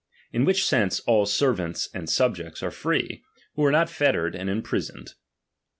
In which sense all ser vants and subjects are f/'ee, who are not fettered and imprisoned.